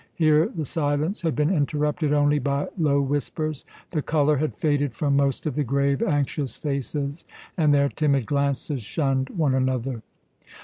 Here the silence had been interrupted only by low whispers. The colour had faded from most of the grave, anxious faces, and their timid glances shunned one another.